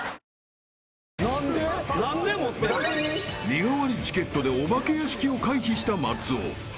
［身代わりチケットでお化け屋敷を回避した松尾］